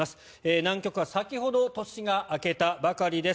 南極は先ほど年が明けたばかりです。